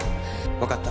分かった。